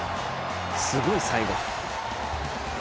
すごい最後。